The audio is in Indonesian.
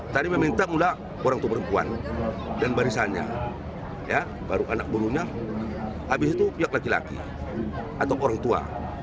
tadi meminta mula orang tua perempuan dan barisannya baru anak burunya habis itu pihak laki laki atau orang tua